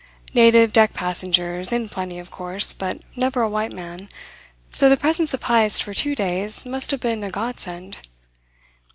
Native deck passengers in plenty, of course, but never a white man, so the presence of Heyst for two days must have been a godsend.